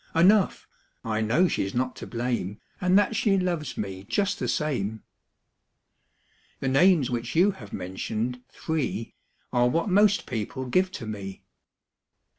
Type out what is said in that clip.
Enough, I know she's not to blame. And that she loves me just the same." Copyrighted, 1897 I HE names which you have mentioned, three, what most people give to me."